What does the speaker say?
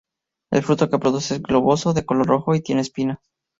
El fruto que produce es globoso, de color rojo y tiene espinas.